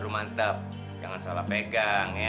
mantap jangan salah pegang ya